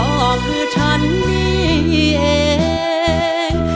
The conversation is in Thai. ก็คือฉันนี่เอง